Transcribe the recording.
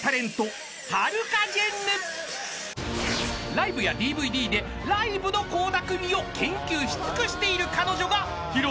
［ライブやＤＶＤでライブの倖田來未を研究し尽くしている彼女が披露する曲は］